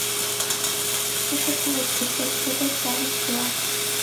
საქართველოს ესაზღვრება შავი ზღვა